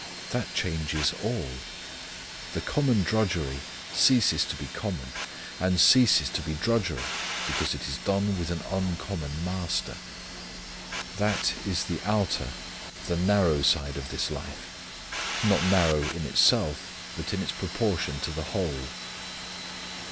That changes all. The common drudgery ceases to be common, and ceases to be drudgery because it is done for such an uncommon Master. That is the outer, the narrow side of this life: not narrow in itself but in its proportion to the whole.